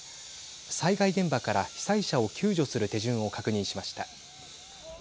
災害現場から被災者を救助する手順を確認しました。